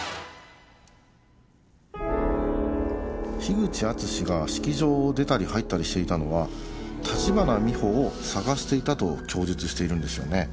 口淳史が式場を出たり入ったりしていたのは立花美穂を捜していたと供述しているんですよね？